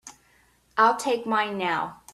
I'll take mine now.